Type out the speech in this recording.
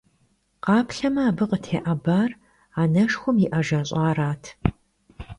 Къаплъэмэ, абы къытеӏэбар анэшхуэм и Ӏэ жэщӀарат.